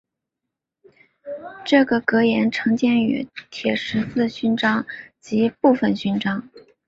这个格言常见于铁十字勋章及部分勋章。